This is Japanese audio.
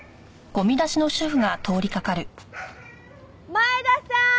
前田さーん！